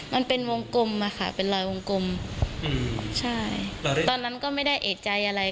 มันเป็นวงกลมอะค่ะเป็นรอยวงกลมอืมใช่ตอนนั้นก็ไม่ได้เอกใจอะไร